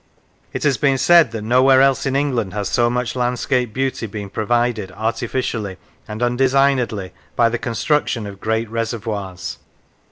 It has been said that nowhere else in England has so much landscape beauty been provided, artificially and undesignedly, by the construction of great reservoirs.